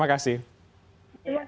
terima kasih banyak